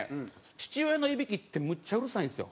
父親のいびきってむっちゃうるさいんですよ。